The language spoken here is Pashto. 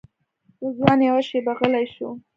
رضوان یوه شېبه غلی شو.